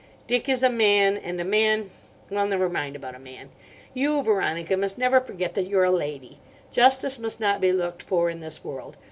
Dick is a man, and a man—well, never mind about a man. You, Veronica, must never forget that you're a lady. Justice must not be looked for in this world.